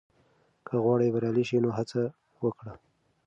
که غواړې بریالی شې، نو هڅه وکړه.